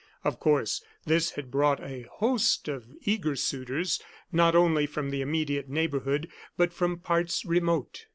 Of course this had brought a host of eager suitors, not only from the immediate neighborhood, but from parts remote.